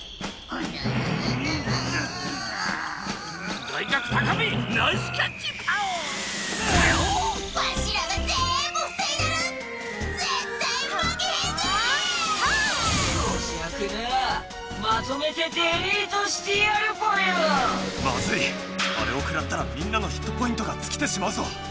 あれをくらったらみんなのヒットポイントがつきてしまうぞ！